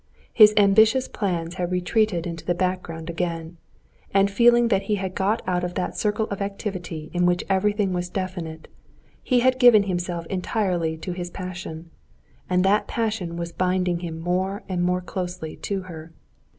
His ambitious plans had retreated into the background again, and feeling that he had got out of that circle of activity in which everything was definite, he had given himself entirely to his passion, and that passion was binding him more and more closely to her.